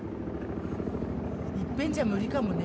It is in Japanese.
いっぺんじゃ無理かもね。